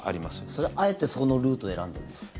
それはあえてそのルートを選んだんですか？